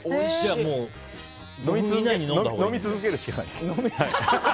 飲み続けるしかないです。